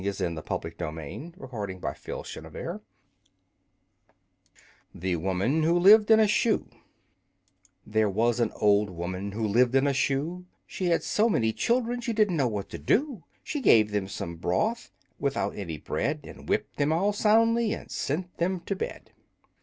[Illustration: The Woman Who Lived in a Shoe] The Woman Who Lived in a Shoe There was an old woman Who lived in a shoe, She had so many children She didn't know what to do; She gave them some broth Without any bread, And whipped them all soundly And sent them to bed.